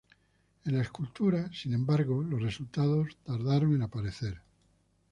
En la escultura, sin embargo, los resultados tardaron en aparecer.